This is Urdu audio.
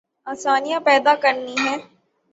آسانیاں پیدا کرنی ہیں۔